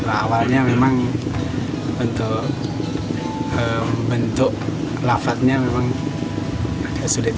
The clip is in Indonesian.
awalnya memang untuk bentuk lafatnya memang agak sulit